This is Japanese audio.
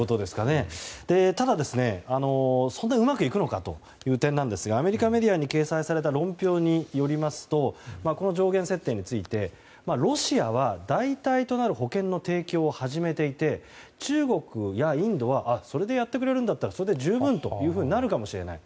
ただ、そんなにうまくいくのかという点ですがアメリカメディアに掲載された論評によりますとこの上限価格についてロシアは代替となる保険の提供を始めていて中国やインドはそれでやってくれるのならそれで十分となるかもしれない。